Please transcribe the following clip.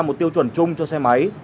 một tiêu chuẩn chung cho xe máy